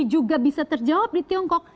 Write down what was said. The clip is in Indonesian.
juga bisa terjawab di tiongkok